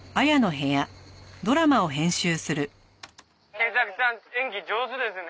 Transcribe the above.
「賢作さん演技上手ですね」